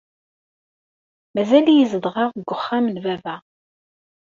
Mazal-iyi zedɣeɣ deg wexxam n baba.